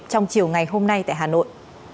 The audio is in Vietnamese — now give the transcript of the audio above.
trong chiều ngày hôm nay tại hà nội